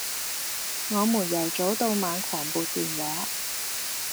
我們由早到晚狂撥電話